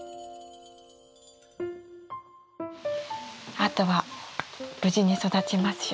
あとは無事に育ちますように。